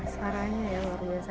suaranya ya luar biasa